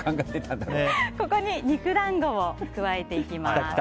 ここに肉団子を加えていきます。